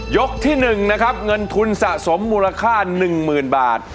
ที่๑นะครับเงินทุนสะสมมูลค่า๑๐๐๐บาท